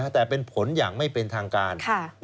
แต่เป็นผลอย่างไม่เป็นทางการ